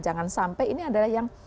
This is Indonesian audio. jangan sampai ini adalah yang